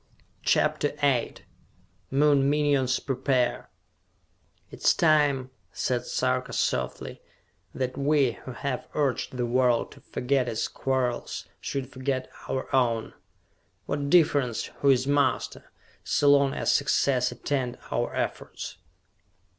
CHAPTER VIII Moon Minions Prepare "It is time," said Sarka softly, "that we who have urged the world to forget its quarrels should forget our own. What difference who is master, so long as success attend our efforts?"